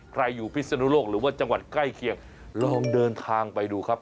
ใครอยู่พิศนุโลกหรือว่าจังหวัดใกล้เคียงลองเดินทางไปดูครับ